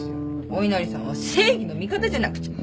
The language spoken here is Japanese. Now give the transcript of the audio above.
お稲荷さんは正義の味方じゃなくちゃ！